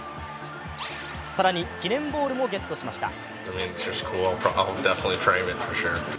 更に記念ボールもゲットしました。